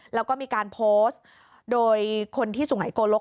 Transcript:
แล้วก็มีการโพสต์โดยคนที่สุหายโกลก